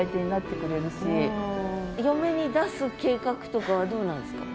嫁に出す計画とかはどうなんですか？